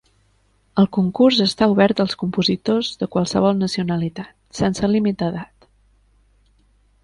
El concurs està obert als compositors de qualsevol nacionalitat, sense límit d’edat.